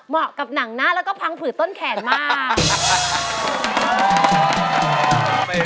และเหมาะกับหนังหน้าและได้พังพืดต้นแขนมาก